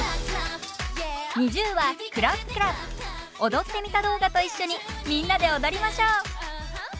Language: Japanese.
踊ってみた動画と一緒にみんなで踊りましょう。